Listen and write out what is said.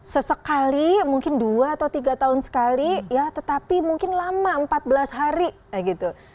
sesekali mungkin dua atau tiga tahun sekali ya tetapi mungkin lama empat belas hari gitu